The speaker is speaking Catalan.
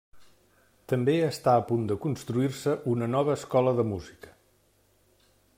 També està a punt de construir-se una nova Escola de Música.